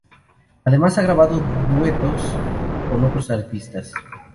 Además, ha grabado duetos con otros artistas.